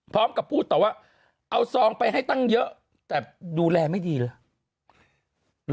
พร้อมกับพูดต่อว่าเอาซองไปให้ตั้งเยอะแต่ดูแลไม่ดีเลย